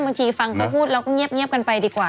บางทีฟังเขาพูดแล้วก็เงียบกันไปดีกว่า